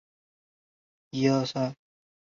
异鼷鹿科是一科已灭绝的偶蹄目。